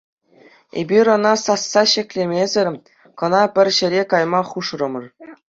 Эпир ӑна сасса ҫӗклемесӗр кӑна пӗр ҫӗре кайма хушрӑмӑр.